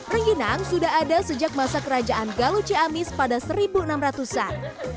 rengginang sudah ada sejak masa kerajaan galuh ciamis pada seribu enam ratus an